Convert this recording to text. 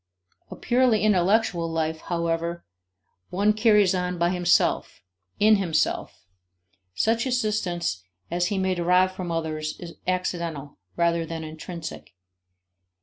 A purely intellectual life, however, one carries on by himself, in himself; such assistance as he may derive from others is accidental, rather than intrinsic.